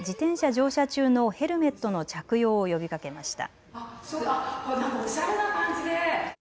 乗車中のヘルメットの着用を呼びかけました。